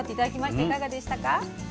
いかがでしたか？